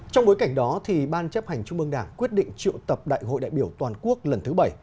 trong bối cảnh đó ban chấp hành trung mương đảng quyết định triệu tập đại hội đại biểu toàn quốc lần thứ bảy